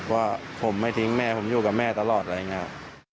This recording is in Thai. ว่าผมไม่ทิ้งแม่ผมอยู่กับแม่ตลอดอะไรอย่างนี้